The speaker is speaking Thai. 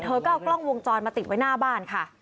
เธอก็เอากล้องวงจรปิดมาติดไว้หน้าบ้านค่ะ